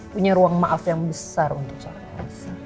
punya ruang maaf yang besar untuk seorang elsa